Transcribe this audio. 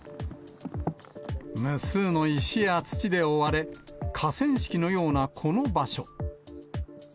無数の石や土で覆われ、河川敷のようなこの場所。